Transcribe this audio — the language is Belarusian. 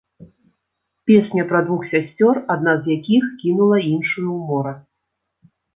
Песня пра двух сясцёр, адна з якіх кінула іншую ў мора.